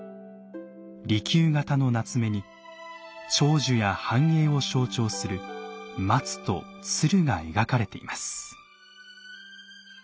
利休形の棗に長寿や繁栄を象徴する松と鶴が描かれています。